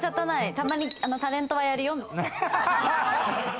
たまにタレントはやるよ。